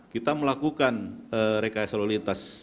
kita melakukan rekayasa lalu lintas